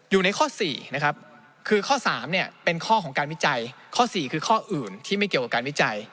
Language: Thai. อยู่ในข้อ๔นะครับคือข้อ๓เป็นข้อของการวิจัยข้อ๔คือข้ออื่นที่ไม่เกี่ยวกับการวิจัย